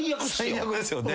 最悪ですよね。